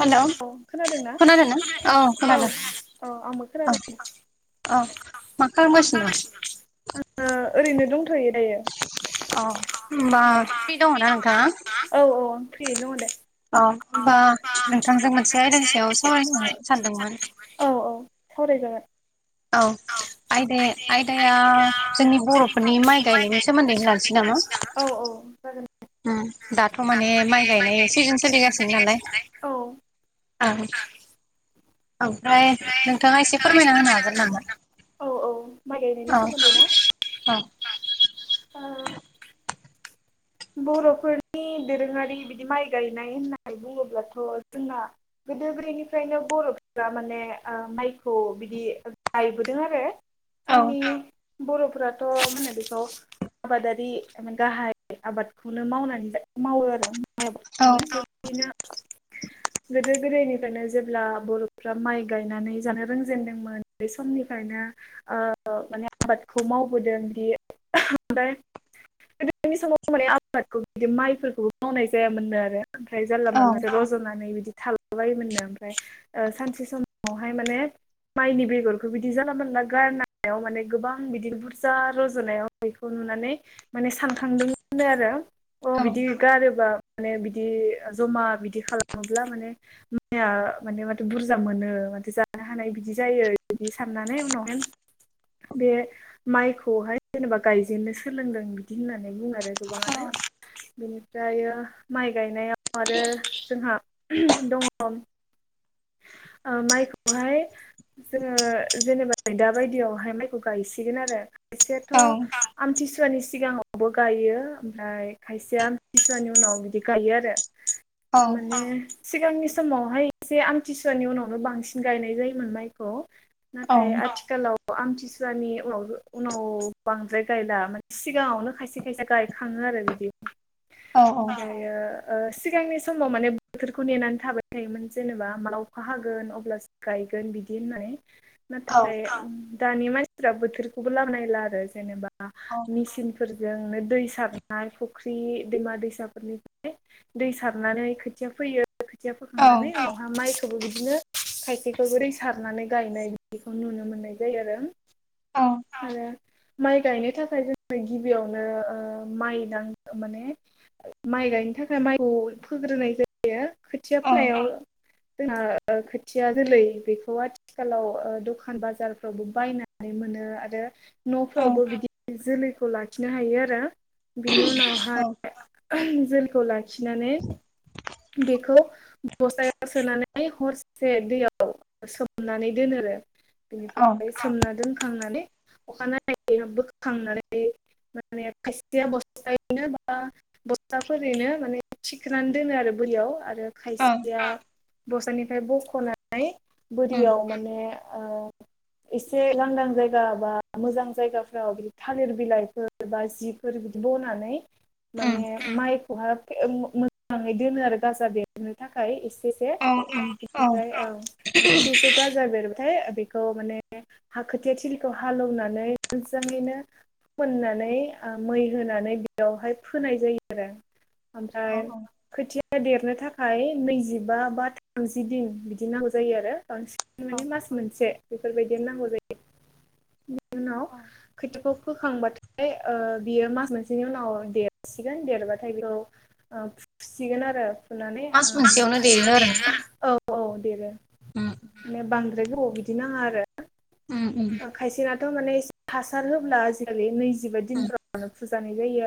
Hello औ खोनादोंना औ औ आंबो औ खोनादों औ मा खालामगासिनो आ ओरैनो दंथ'यो दायो औ होमबा औ औ होमबा दङ ना फ्रि दङना नोंथाङा औ औ आं प्रियैनो दङ दे औ होमबा ओ नोंथांजों मोनसे आयदानि सायाव सावरायनो सानदोंमोन औ औ सावरायजागोन औ आयदाया आयदाया जोंनि बर'फोरनि माइ गायनायनि सोमोन्दै लानोसै नामा औ औ जागोन उ दाथ' माने माइ गायनाय सिजोन सोलिगासिनो नालाय औ ओमफ्राय ओमफ्राय नोंथाङा एसे फोरमायना होनो हागोन नामा? औ औ माइ गायनायनि औ सोमोन्दै ना ओ बर'फोरनि दोरोङारि बिदि माइ गायनाय होननानै बुङोब्लाथ' जोंना गोदो गोदायनिफ्रायनो बर'फोरा माने ओ माइखौ बिदि गायबोदों आरो औ जोंनि बर'फोराथ' मा होनो बेखौ आबादारि गाहाय आबादखौनो मावनानै जा मावो आरो [unintelligible] गोदो गोदायनि नो जेब्ला बर'फ्रा माइ गायनानै जानो रोंजेनदोंमोन बे समनिफ्रायनो ओ माने आबादखौ मावबोदों बि ओमफ्राय [inaudible] बै समाव माने आबादखौ बिदि माइफोरखौबो मावनाय जायामोननो आरो ओमफ्राय जालला औ माललासो रज'नानै बिदि थालाबायोमोननो ओमफ्राय सानसे समावहाय माने माइनि बेगरखौ बिदि जाला मोनला गारनायाव माने गोबां बिदि बुरजा रज'नायाव बेखौनो नुनानै माने सानखांदोंमोननो आरो औ अ बिदि गारोबा माने बिदि जमा बिदि खालामोब्ला माने माइया माने माथो बुरजा मोनो माथो जानो हानाय बिदि जायो बिदि साननानै उनावहाय [inaudible] बे माइखौहाय जेनेबा गायजेननो सोलोंदों बिदि होनना नानै बुङो आरो औ गोबाङानो बिनिफ्राय माइ गायनायाव आरो जोंहा दङ माइखौहाय जोङो जेनेबा नै दा बायदियावहाय माइखौ गायसिगोन आरो एसेथ' आमथि सु वानि सिगाङावबो गायो ओमफ्राय खायसेया आमथिसुवानि उनाव बिदि गायो आरो औ थारमाने सिगांनि समावहाय एसे आम थिसुवानि उनावनो बांसिन गायनाय जायोमोन माइखौ नाथाय आथिखालाव आमथिसुवानि उनाव उनाव बांद्राय गायला माने सिगाङावनो खायसे खायसे गायखाङो आरो बिदि औ ओमफ्रायो ओ सिगांनि समाव माने बोथोरखौ नेनानै थाबाय थायोमोन जेनेबा जेला अखा हागोन अब्लासो गायगोन बिदि होननाय औ नाथाय आं दानि मानसिफ्रा बोथोरखौबो लामख नायला आरो जेनेबा औ मेसिनफोर जोंनो दै सारनाय फुख्रि दैमा दैसाफोरनिफ्राय दै सारनानै खोथिया फैयो खोथिया औ फोखांनानै औ खौबो बिदिनो खायसेखौबो दै सारनानै गायनाय बिदिखौ नुनो मोननाय जायो आरो औ आरो माइ गायनो थाखाय जोङो गिबियावनो ओ माइ दां माने माइ माइ गायनो थाखाय माइखौ फोग्रोनाय जायो खोथिया औ फोनायाव जोंहा खोथिया जोलै बेखौ आथिखालाव ओ दखान बाजारफ्रावबो बायना नै मोनो आरो न'फ्रावबो औ बिदि जोलैखौ लाखिनो हायो आरो बिनि उनावहाय जोलैखौ लाखिनानै बेखौ बस्तायाव सोनानै हरसे दैयाव सोमनानै दोनो आरो औ बिनिफ्राय सोमना दोनखांनानै अखानायै बोखांनानै माने खायसेया बस्थायायैनो बा बस्ताफोरैनो माने थिखोनानै दोनो आरो बोरियाव आरो औ खायसेया दस्रानिफ्राय बख'नानै उम बोरियाव माने ओ [inaudible] एसे लांदां जायगा बा मोजां जायगाफ्राव थालिर बिलाइफोर बा जिफोर बनानै उम माने माइखौहाय मोजाङै दोनो आरो गाजा बेरनो थाखाय एसे औ औ बिनिफ्राय ओं एसे एसे गाजा बेर बेखौ माने हा खोथिया थिलिखौ हालेवनानै मोजाङैनो फोननानै मै होनानै बेयावहाय फोनाय जायो आरो औ ओमफ्राय खोथिया देरनो थाखाय नैजिबा बा थामजि दिन बिदि नांगौ जायो आरो बांसिन औ माने मास मोनसे बेफोरबायदि नांगौ जायो उनाव औ खोथियाखौ फोखांबाथाय ओ बियो मास मोनसेनि उनाव देरसिगोन देरबाथाय बे फुसिगोन आरो फुनानै मास मोनसेयावनो देरो ओ आरो औ दे दे उम माने बांद्राय गोबाव बिदि नाङा आरो उम उम खायसेनाथ' माने हासार होब्ला आजिखालि नैजिबा उम दिनफोरावनो फुजानाय जायो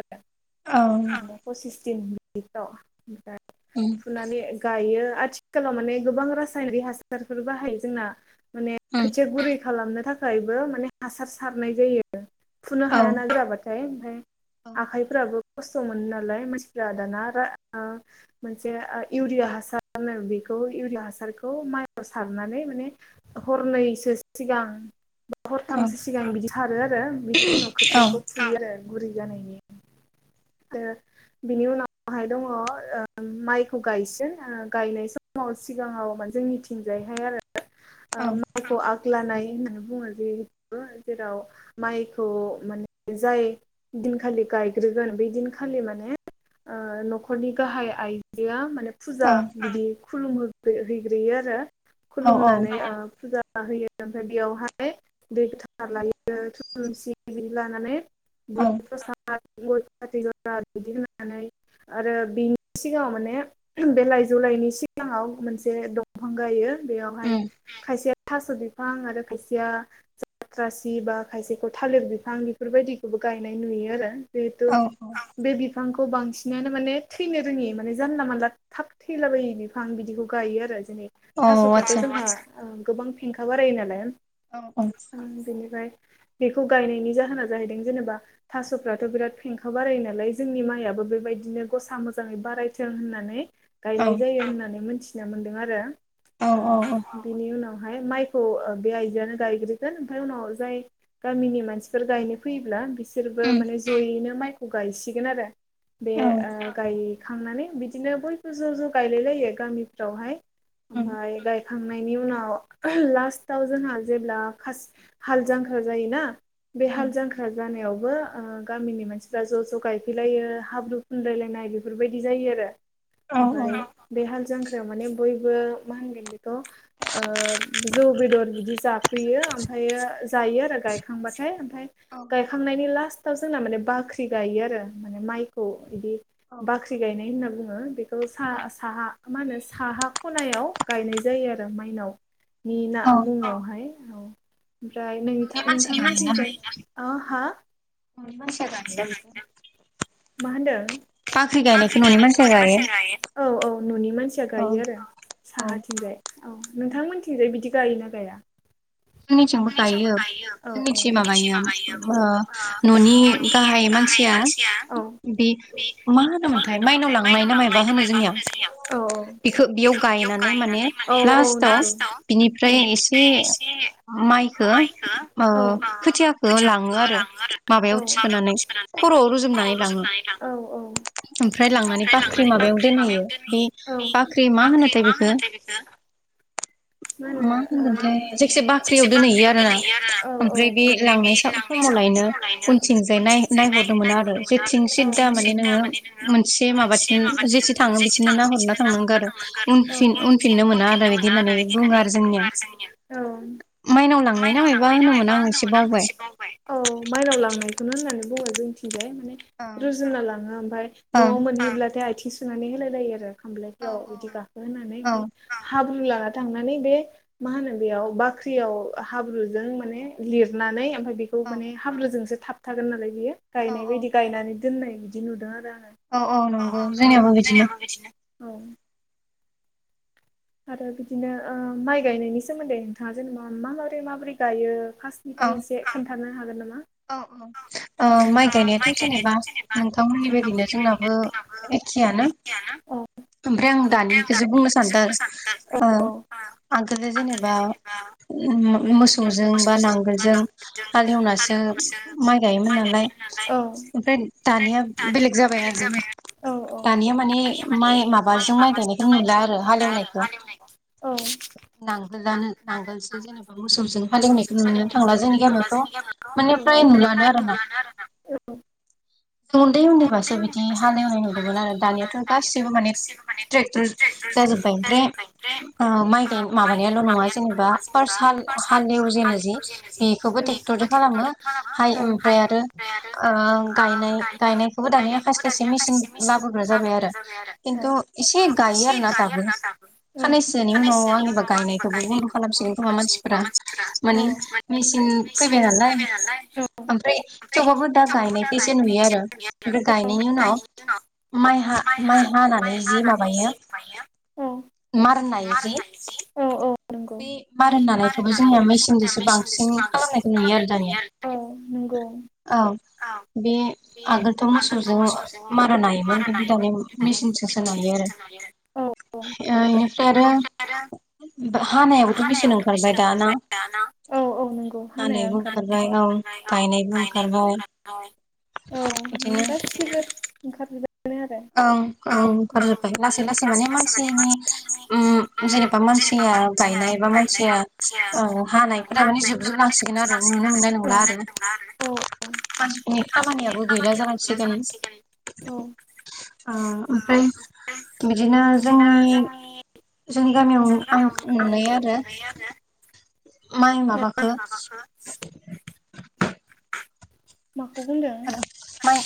औ आरो आ पसिसदिन बिदिफोराव ओमफाय उम फुनानै गायो आथिखालाव माने गोबां रासायनिक हासारफोर बाहायो जोंना माने उम खोथिया गुरै खालामनो थाखायबो माने हासार सारनाय जायो फुनो औ हायाना गोराबाथाय ओमफ्राय औ आखाइफ्राबो खस्थ' मोनो नालाय मानसिफ्रा दाना मोनसे इउरिया हासारनो बे इउरिया हासारखौ माइआव सारनानै माने हरनैसो सिगां हरथामसो सिगां बिदि सारो आरो बिनि उनाव औ खोथियाखौ फुयो आरो गुरै जानायनि बिनि उनावहाय दङ माइखौ गायसिन गायनाय समाव व सिगाङाव जोंनिथिंजायहाय आरो औ माइखौ आग्लानाय होन बुङो जे जेराव माइखौ माने जाय दिनखालि गायग्रो गोन बै दिनखालि माने नखरनि गाहाय आइजोआ फुजा बिदि खुलुम हैग्रोयो आरो औ खुलुमनानै फुजा होयो ओमफ्राय बेयावहाय दै गोथांर लायो थुलुनसि बिदि लानानै [unintelligible] बिदि होननानै आरो बिनि सिगाङाव माने बे लाइजौ लाइनि सिगाङाव मोनसे दंफां गायो बेयावहाय उम खायसेया थास' बिफां आरो खायसेया जाथ्रासि बा खायसेखौ थालिर बिफां बेफोरबायदिखौबो गायनाय नुयो आरो जेहेथु औ औ बे बिफां खौ बांसिनानो माने थैनो रोङि माने जानला मानला थाब थैलाबायि बिफां बिदिखौ गायो आरो जेरै औ थास'फ्राथ' आतसा जोंहा गोबां फेंखा बारायो नालाय औ औ उम बिनिफ्राय बेखौ गायनायनि जाहोना जाहैदों जेनेबा थास'फ्राथ' बिराद फेंखा बारायो नालाय जोंनि माइयाबो बेबायदिनो गसा मोजाङै बारायथों होननानै गायनाय जायो होननानै मोनथिना मोनदों आरो औ औ औ बिनि उनाव माइखौ बे आइ जोआनो गायग्रोगोन ओमफ्राय उनाव जाय गामिनि मानसिफोर गायनो फैयोब्ला बिसोरबो उम माने जयैनो माइखौ गायसिगोन आरो बे औ गाय गायखांनानै बिदिनो बयबो ज' ज' गायलायलायो गामिफ्रावहाय उम ओमफ्राय गाय खांनायनि उनाव लास्टआव जोंहा जेब्ला हाल जांख्रा जायोना बे हाल उम जांख्रा जानायावबो गामिनि मानसिफ्रा ज' ज' गायफैलायो हाब्रु फुनलायलायनाय बेफोरबायदि जायो आरो औ ओमफ्राय बे हाल जां जांख्रायाव माने बयबो मा होनगोन बेखौ जौ बेदर बिदि हैयो ओमफ्रायो जायो आरो गायखांबाथाय ओमफ्राय औ गायखांनायनि लास्ट र्स्टआव जोंना माने बाख्रि गायो आरो माने माइखौ बिदि बाख्रि गायनाय होनना बुङो बे औ साह साहा मा होनो साहा खनायाव गायनाय जायो आरो माइनाव नि ना औ मुङावहाय औ ओमफ्राय नों न'नि मानसि नोंथां मिथिबाय हा माइसा गायदों मा होनदों बाख्रि गायनायखौ न'नि मानसिया गायो औ औ न'नि मानसिया औ गायो आरो औ साहाथिंजाय औ नोंथांमोनथिंजाय बिदि गायो ना गाया? जोंनिथिंबो गायो जोंनिथि माबायो न'नि गाहाय मानसिया बे मा होनोमोनथाय माइनाव लांनाय ना मायाबा होनो जोंनिया बेखौ बेयो गायनानै माने लास्टाव बिनिफ्राय एसे माइखो खोथियाखौ लाङो आरो माबायाव थिखोनानै खर'आव रुन औ औ ओमफ्राय लांनानै बाख्रि माबायाव दोनहैयो बे बाख्रि मा होनोथाय बेखौ मा होनो ओ होनगोनथाय जायखि जाय बा लांनाय औ समावलायनो उनथिंजाय नाय नायहरदोंमोन आरो जेथिं औ सिदा माने नोङो मोनसे माबाथिं जेथि औ थाङो बिथिंनो नाहरना थांनांगौ आरो उनफिन उनफिननो औ मोना आरो बिदि होननानै बुङो आरो जोंनिया औ माइनाव औ लांनाय ना मायबा होनोमोन आं एसे बावबाय माइनाव लांनाय बेखौनो होननानै बुङो जोंथिजाय माने रुजुना लाङो ओमफ्राय न'आव ओं मोनहैब्लाथाय आथिं सु नानै हालायो औ खामफ्लायफ्रा गाखो होनानै औ ओमफ्राय हा [unintelligible] ब्रु लाना थांनानै बे मा होनो बेयाव बाख्रियाव हाब्रुजों माने लिरनानै ओमफ्राय बेखौ औ माने हाब्रुजोंसो थाब थागोन नालाय बियो औ गायनाय औ बायदि गायनानै दोननाय बिदि नुदों आरो आं औ औ नंगौ जोंनियाबो बिदिनो औ आरो बिदिनो माइ गायनायनि सोमोन्दै नोंथाङा जेनेबा माबोरै माबोरै गायो औ फास्टनिफ्राय एसे खोन्थानो हागोन नामा? औ औ माइ गायनायाथ' जेनेबा नोंथांमोननि बायदिनो जोंनाबो एखेयानो ओमफ्राय आं दानिखौसो बुंनो सानदों आरो आगोलो जेनेबा मोसौजों बा मोसौजों बा नांगोलजों नांगोलजों हालेवनासो माइ गायोमोन नालाय ओमफ्राय दानिया दानिया बेलेग जाबाय आरोना आरो औ औ दानिया माने माने माइ माबाजों माइ गायनायखौ नुला आरो गायनायखौ नुला आरो हालेवनायखौ औ नांगोलानो नांगोलसो जेनेबा मोसौजों हालेवनायखौ मोसौजों नुनो हालेवनाय थांला जोंनि थांला गामियावथ' जोंनि माने गामियावथ' फ्राय नुलानो बेनिफ्राय आरोना नुलानो आरो ना उन्दै उन्दैबासो बिदि हाल एवनाय नुदोंमोन आरो दानियाथ' गासिबो माने ट्रेक्टर जाजोबबाय ओमफ्राय जाजोब्बाय ओमफ्राय माि माइ गाय माबानायल' नङा माबायाल' जेबा नङा जेनेबा फास्ट हाल फार्स्ट हालौवजेनो जि हालेव जेनो बेखौबो ट्रेक्टर जों खालामो ट्रेक्टरजों हाय खालामो ओमफ्राय आरो आरो गायनाय गायनाय खौबो दानिया खसि खायसे मेचिन लाबोग्रा जाबाय आरो खिन्थु एसे गायो आरोना दाबो खानैनिसो जनि उनाव आंनिबा गायनायखौबो बन्द' खालामसिगोन खोमा मानसिफोरा मानि मेचिन फैबाय नालाय ओमफ्राय थेवबबो दा थेवबो गायनायखसो नुयो गायनाय आरो जायो बे आरो गायनाय ओमफ्राय उनाव गायनायनि उनाव माइ हा माइ माइ हानानै जि हानानै माबायो जि मायो मारनाय मार जे होनाय जि औ औ नंगौ बे मार मारोनदानायखौबो जोंनिया नानायखौबो जोंना मेसिनजोंसो बांसिन मेसिनजोंसो बांसिन खालामनायखौ नुयो आरो दानिया खालामनायखौ नुयो आरो औ नंगौ औ औ बे आगोलथ' मोसौजों मारा नायोमोन खिन्थु दानि दानिया मेचिनजोंसो नायो आरो नायो औ औ ओ इनिफ्राय आरो बेनिफ्राय आरो हानायावबोथ' मेचिन हानायावथ' मेसिन दाना ओंखारबाय दाना औ औ नंगौ हानाया ओंखारबाय औ गाव गायनायबो ओंखारनाय [unintelligible] बिदिनो औ गासिबो [inaudible] औ औ लासै लासै माने म जेनेबा म [unintelligible] मानसिया गायनाय बा मानसिया औ हानायफोरा माने हानाय जोबजोबलांसिगोन [unintelligible] आरो नुनो मोननाय नंला आरो गासिगोन आरो औ औ [unintelligible] मानसिफोरनि खामानियाबो गैला जालांसिगोन औ उम ओमफ्राय बिदिनो जोंनि जोंनि गामियाव जोंनि गामियावनो आं नुनाय आरो नुयो आरो [inaudible] माइ माइ माबाखो माबाखो [inaudible] माखौ बुंदों [inaudible] माइ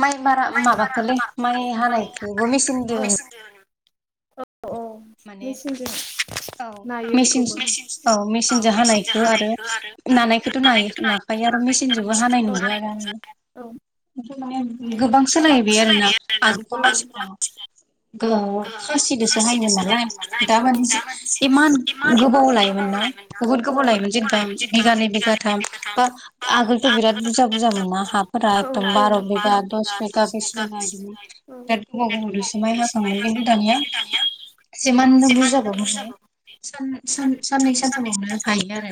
माइ बारा बारा माबाखोलै माइ माबालै हानायखौबो मेसिन दो मेचिनजों औ औ द [inaudible] माने मेचिनजों औ मेसिन औ मेचिनजों हानायखौ आरो नानायखौथ' हानायखौथ' नायो नाखायो आरो आखायजों मेसिनजोंबो हानाय मेचिनजोंबो नुदों नुला आङो आरो माने गोबां सोलायबाय आरोना आगुखौ मानसिफोरा खासिदोसो [inaudible] सो हायोमोन नालाय दा माने इमान गोबाव लायोमोन ना बुहुद गोबाव लायो [unintelligible] औ आगोलथ' बिराद औ बुरजा बुरजामोन ना हाफोरा एकदम बार' बिगा [unintelligible] दस बिगा बिस इदिमोन सिगां बिराद गोबोव गोबोव दोसो माइ हाखाङोमोन [unintelligible] औ दानिया [inaudible] जिमाननो जेमाननो बुरजाबाबो माने बुरजाबो साननै सानथामावनो हायो आरो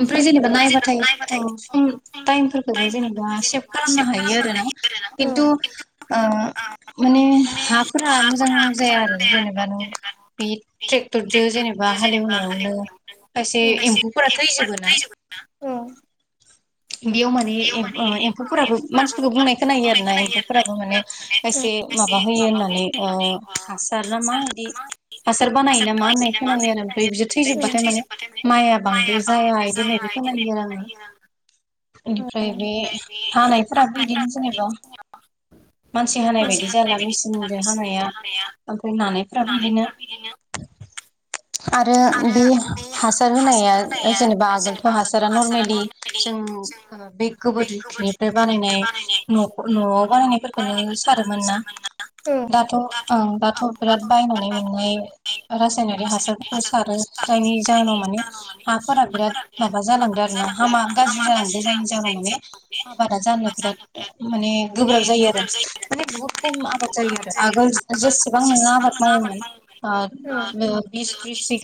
ओमफ्राय जेनेबा नायबाथाय औ सम टाइमफोरखौबो जेनेबा सेभ खालामनो हायो आरोना खिन्थु ओ, माने हाफोरा मोजां जाया आरो जेनेबा नों बे ट्रेक्टरजों जेनेबा हालेवनायावनो खायसे एम्फौफोरा थै जोबोना बेयाव माने एम्फौफोराबो मानसिफोरखौ बुंनाय खोनायो आरोना एम्फौफोराबो माने खायसे माबा होयो होननानै ओ हासार ना मा बिदि हासार बानायो ना मा होननाय खोनायो आरो ओमफ्राय बिदि थैजोबबाथाय माने माइआ बांद्राय जाया बिदि होननायबो खोनायो आरो आङो आं इनिफ्राय बे ओमफ्राय हानायफोराबो इदिनो हानायफ्राबो जेनेबा बिदिनो जोंनियाव मानसि हानाय बायदि जाला मेसिनजों हानाया ओमफ्राय नानायफ्राबो बिदिनो [inaudible] आरो बे हासार होनाया जेनेबा आगोलथ' हासारा नरमेलि जों बे गोबोरखिनिफ्राय बानायनाय नवाव बानायनायफोरखौनो सार रोमोनना दाथ' ओं दाथ' बिराद बायनानै मोननाय रासायनारि हासारफोरखौ जायनि जाहोनाव माने हाफोरा बिराद माबा जालांदों आरोोना हामा गाज्रि जालांदों जायनि जाहोनाव माने आबादा जानो बिराद माने गोब्राब जायो आरो बुहुत खम आबाद जायो आरो आगोल जेसेबां नोङो आबाद मावोमोन ओ बिस त्रिस [inaudible]